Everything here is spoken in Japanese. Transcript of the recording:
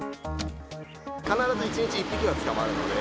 必ず１日１匹は捕まるので。